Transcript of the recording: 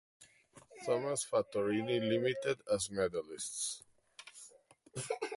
Thomas Fattorini Ltd as medallists.